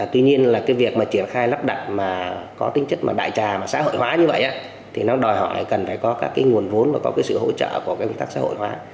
tuy nhiên là cái việc mà triển khai lắp đặt mà có tính chất mà đại trà mà xã hội hóa như vậy thì nó đòi hỏi cần phải có các cái nguồn vốn và có cái sự hỗ trợ của cái công tác xã hội hóa